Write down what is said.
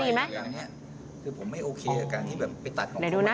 เดี๋ยวดูนะ